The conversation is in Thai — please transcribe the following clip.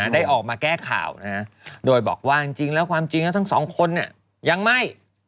ได้ออกมาแก้ข่าวโดยบอกว่าจริงแล้วความจริงแล้วทั้งสองคนยังไม่